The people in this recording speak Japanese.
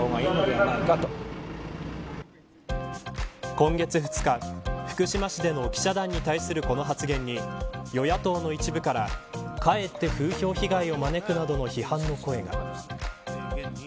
今月２日、福島市での記者団に対するこの発言に与野党の一部からかえって風評被害を招くなどの批判の声が。